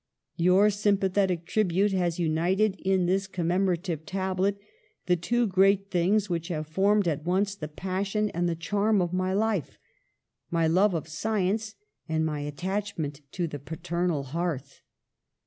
Your sympathetic tribute has united in this commemorative tablet the two great things which have formed at once the passion and the charm of my life: my love of science and my attachment to the paternal hearth.